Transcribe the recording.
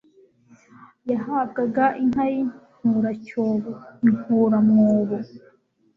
yahabwaga inka y'inkuracyobo (inkuramwobo)